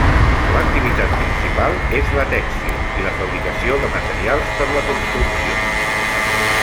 L'activitat principal és la tèxtil i la fabricació de materials per la construcció.